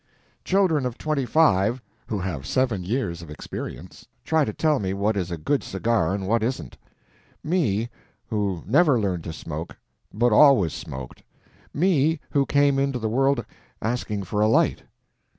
Children of twenty five, who have seven years of experience, try to tell me what is a good cigar and what isn't. Me, who never learned to smoke, but always smoked; me, who came into the world asking for a light.